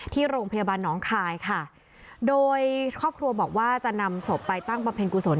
ที่โรงพยาบาลน้องคายค่ะโดยครอบครัวบอกว่าจะนำศพไปตั้งบำเพ็ญกุศล